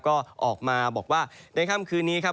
ก็ออกมาบอกว่าในค่ำคืนนี้ครับ